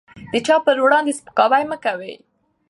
د چا په وړاندې سپکاوی مه کوئ.